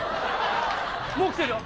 もうきてるよ。